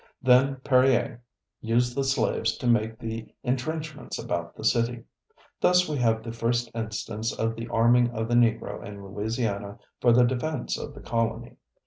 Then Perier used the slaves to make the entrenchments about the city. Thus we have the first instance of the arming of the Negro in Louisiana for the defense of the colony.